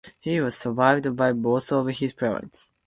He was survived by both of his parents.